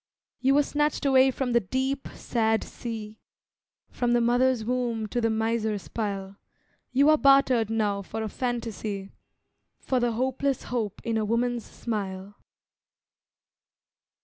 You were snatched away from the deep, sad sea, From the Mother's womb to the miser's pile; You are bartered now for a phantasy, For the hopeless hope in a woman's smile.